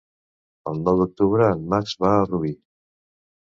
El nou d'octubre en Max va a Rubí.